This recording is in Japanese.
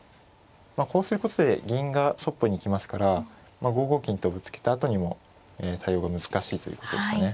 こうすることで銀がそっぽに行きますから５五金とぶつけたあとにも対応が難しいということですかね。